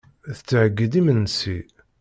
Tettheyyi-d imensi.